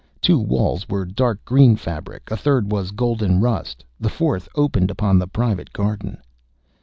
Two walls were dark green fabric; a third was golden rust; the fourth opened upon the private garden.